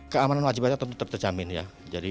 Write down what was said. keamanan wajib pajak tetap terjamin ya